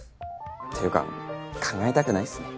っていうか考えたくないっすね。